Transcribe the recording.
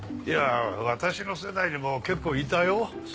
いや私の世代にも結構いたよ。